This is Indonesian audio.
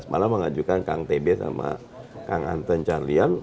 malah mengajukan kang tb sama kang anton carlian